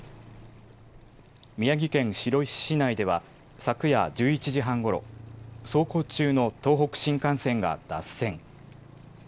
宮城県白石市内では昨夜１１時半ごろ、走行中の東北新幹線が脱線。